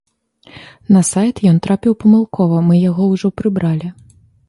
На сайт ён трапіў памылкова, мы яго ўжо прыбралі.